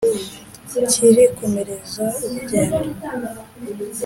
Kirikomereza urugendo